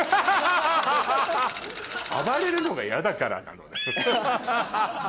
暴れるのが嫌だからなのねハハハ！